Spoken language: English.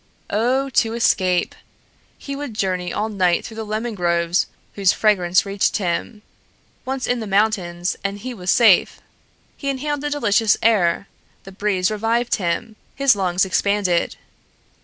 Oh, to escape! He would journey all night through the lemon groves, whose fragrance reached him. Once in the mountains and he was safe! He inhaled the delicious air; the breeze revived him, his lungs expanded!